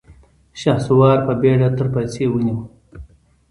شهسوار په بېړه تر پايڅې ونيو.